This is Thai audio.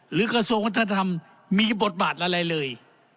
กระทรวงวัฒนธรรมมีบทบาทอะไรเลย